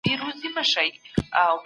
خپل ځان له ستړیا څخه خلاص کړئ.